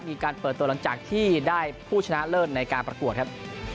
มีการเปิดตัวหลังจากที่ได้ผู้ชนะเลิศในการประกวดครับ